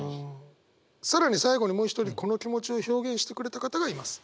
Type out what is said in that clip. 更に最後にもう一人この気持ちを表現してくれた方がいます。